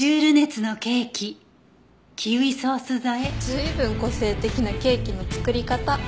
随分個性的なケーキの作り方。